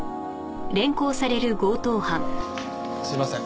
すいません。